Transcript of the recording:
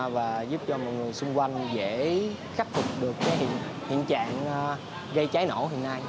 và giúp cho mọi người xung quanh dễ khắc phục được hiện trạng gây cháy nổ hiện nay